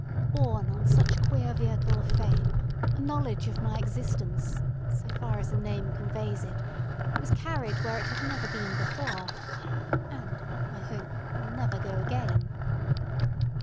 Borne on such queer vehicle of fame, a knowledge of my existence, so far as a name conveys it, was carried where it had never been before, and, I hope, will never go again.